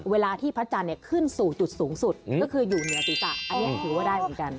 เวลาที่พระจันทร์ขึ้นสู่จุดสูงสุดก็คืออยู่เหนือศีรษะอันนี้ถือว่าได้เหมือนกัน